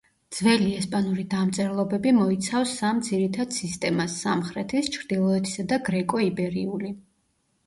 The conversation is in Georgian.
ძველი ესპანური დამწერლობები მოიცავს სამ ძირითად სისტემას: სამხრეთის, ჩრდილოეთისა და გრეკო–იბერიული.